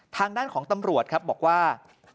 ทางด้านของตำรวจครับบอกว่า